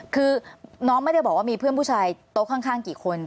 คือน้องไม่ได้บอกว่ามีเพื่อนผู้ชายโต๊ะข้างกี่คน